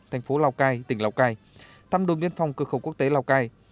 thành phố lào cai tỉnh lào cai thăm đồn biên phòng cơ khẩu quốc tế lào cai